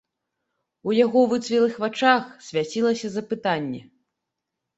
У яго выцвілых вачах свяцілася запытанне.